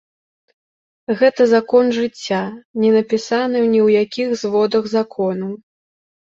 Гэта закон жыцця, не напісаны ні ў якіх зводах законаў.